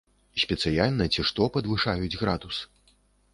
Спецыяльна ці што павышаюць градус?